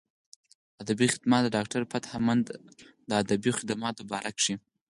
ادبي خدمات د ډاکټر فتح مند د ادبي خدماتو باره کښې